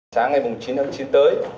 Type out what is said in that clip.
sáng ngày chín tháng chín tới